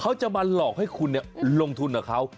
เขาจะมาหลอกให้คุณลงทุนกับเขา